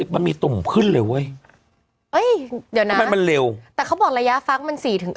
๓๐มันมีตุ่มขึ้นเลยเว้ยเดี๋ยวนะมันเร็วแต่เขาบอกระยะฟักมัน๔